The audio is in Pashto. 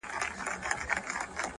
تاته به پټ وژاړم تاته په خندا به سم!